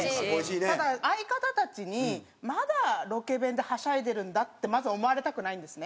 ただ相方たちにまだロケ弁ではしゃいでるんだってまず思われたくないんですね。